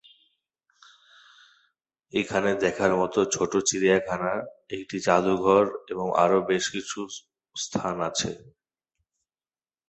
এখানে দেখার মত ছোট চিড়িয়াখানা, একটি জাদুঘর এবং আরো বেশ কিছু স্থান আছে।